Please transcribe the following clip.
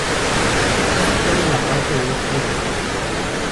Está situado en la parte oeste de Santa Maria.